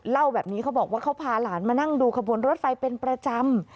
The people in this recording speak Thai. เล่าแบบนี้เขาบอกว่าเขาพาหลานมานั่งดูขบวนรถไฟเป็นประจำ